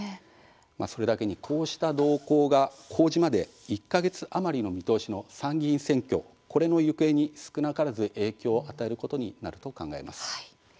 それだけに、こうした動向が公示まで１か月余りの見通しの参議院選挙これの行方に少なからず影響を与えることになると考えます。